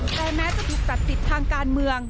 แต่แม้จะถูกตัดสิทธิ์ทางการเมือง